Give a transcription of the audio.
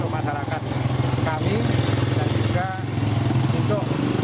makanan dan minuman ini